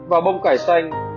và bông cải xanh